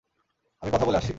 আমি কথা বলে আসছি।